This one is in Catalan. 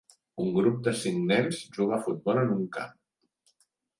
Un grup de cinc nens juga a futbol en un camp.